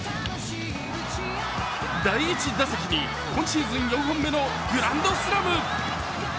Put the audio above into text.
第１打席に今シーズン４本目のグランドスラム！